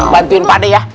bantuin pak de ya